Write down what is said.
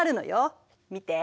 見て。